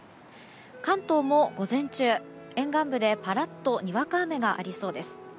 関東も午前中、沿岸部でぱらっとにわか雨がありそうです。